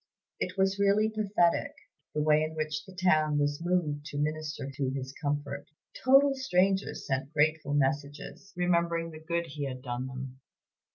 It was really pathetic, the way in which the town was moved to minister to his comfort. Total strangers sent grateful messages, remembering the good he had done them.